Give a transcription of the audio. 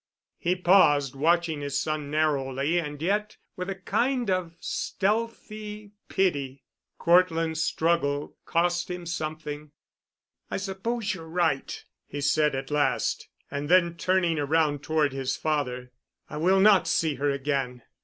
He paused, watching his son narrowly and yet with a kind of stealthy pity. Cortland's struggle cost him something. "I suppose you're right," he said at last. And then, turning around toward his father, "I will not see her again.